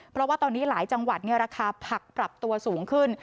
เพราะว่าตอนนี้หลายจังหวัดราคาผักปรับตัวสูงขึ้น